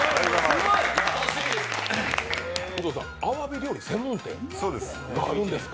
あわび料理専門店があるんですか？